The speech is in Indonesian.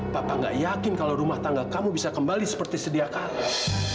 papa gak yakin kalau rumah tangga kamu bisa kembali seperti sedia kalah